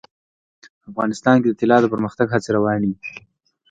افغانستان کې د طلا د پرمختګ هڅې روانې دي.